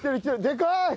でかい！